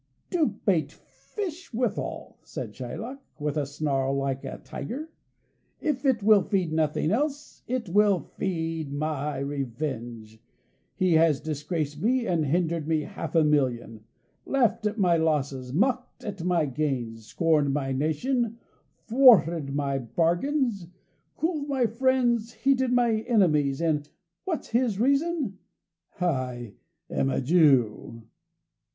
"To bait fish withal," said Shylock, with a snarl like a tiger. "If it will feed nothing else, it will feed my revenge. He has disgraced me and hindered me half a million; laughed at my losses, mocked at my gains, scorned my nation, thwarted my bargains, cooled my friends, heated my enemies: and what's his reason? I am a Jew!...